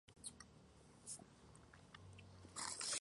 El e-Reader solo se consideró exitoso en Japón.